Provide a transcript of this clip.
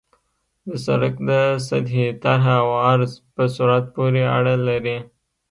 د سرک د سطحې طرح او عرض په سرعت پورې اړه لري